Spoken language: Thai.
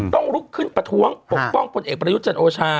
ต้องลุกขึ้นประท้วงปกป้องพลเอกประยุทธ์จันทร์โอชา